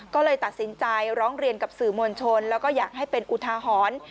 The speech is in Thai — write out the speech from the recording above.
ก็เลยตัดสินใจร้องเรียนกับสื่อมวลชนแล้วก็อยากให้เป็นอุทาหรณ์